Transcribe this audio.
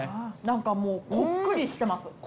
何かこっくりしてます。